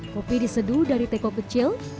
kopi diseduh dari teko kecil